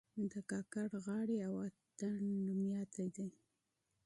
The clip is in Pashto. د کاکړ نغارې او اتڼ شهرت لري.